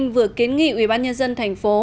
vừa kiến nghị ubnd tp